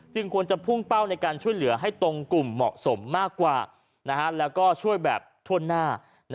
ควรจะพุ่งเป้าในการช่วยเหลือให้ตรงกลุ่มเหมาะสมมากกว่าแล้วก็ช่วยแบบทั่วหน้า